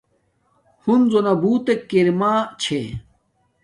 ہنزو نا بوتک کیراما چھے